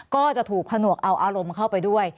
ก็จะถูกผนวกเอาอารมณ์เข้าไปด้วย